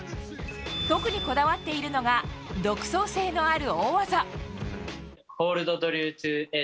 特にこだわっているのが独創性のある大技。